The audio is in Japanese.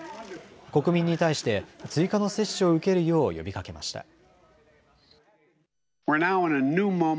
国民に対して追加の接種を受けるよう呼びかけました。